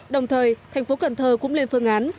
đồng thời thành phố cần thơ cũng lên phương án